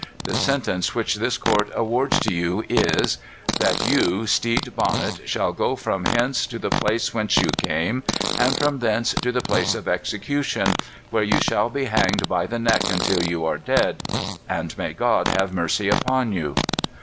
The sentence which this court awards to you is: "That you, Stede Bonnet, shall go from hence to the place whence you came, and from thence to the place of execution; where you shall be hanged by the neck until you are dead. And may God have mercy upon you."